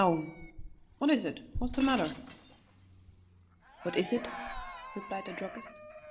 "What is it? What is the matter?" "What is it?" replied the druggist.